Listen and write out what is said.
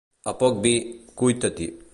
A poc vi, cuita-t'hi.